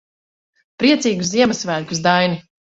Priecīgus Ziemassvētkus, Daini.